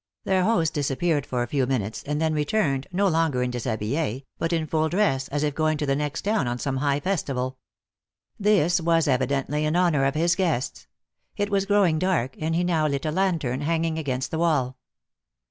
Their host disappeared for a few minutes, and then 220 THE ACTRESS IN HIGH LIFE. returned, no longer in dishabille, but in full dress, as if going to the next town on some high festival. This was evidently in honor of his guests. It was growing dark, and he now lit a lantern hanging against the wall.